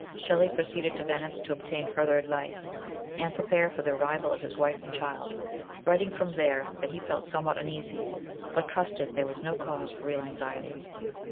Shelley proceeded to Venice to obtain further advice, and prepare for the arrival of his wife and child, writing from there that he felt somewhat uneasy, but trusted there was no cause for real anxiety.